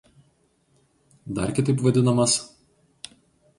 Dar kitaip vad.